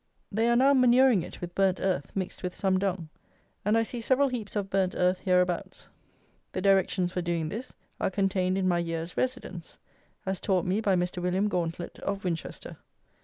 They are now manuring it with burnt earth mixed with some dung; and I see several heaps of burnt earth hereabouts. The directions for doing this are contained in my Year's Residence, as taught me by Mr. William Gauntlet, of Winchester.